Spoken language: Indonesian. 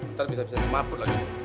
ntar bisa bisa semakut lagi